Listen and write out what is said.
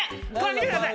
見てください！